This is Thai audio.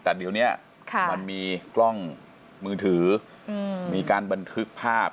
แต่เดี๋ยวนี้มันมีกล้องมือถือมีการบันทึกภาพ